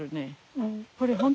うん。